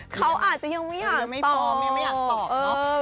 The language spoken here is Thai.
เขาอาจจะยังไม่อยากตอบ